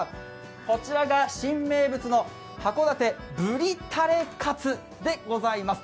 こちらが新名物の函館ブリたれカツでございます。